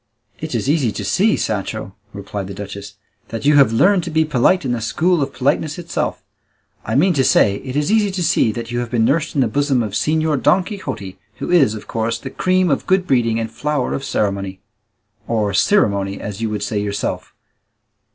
"It is easy to see, Sancho," replied the duchess, "that you have learned to be polite in the school of politeness itself; I mean to say it is easy to see that you have been nursed in the bosom of Señor Don Quixote, who is, of course, the cream of good breeding and flower of ceremony or cirimony, as you would say yourself.